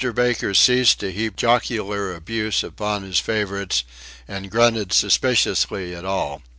Baker ceased to heap jocular abuse upon his favourites, and grunted suspiciously at all.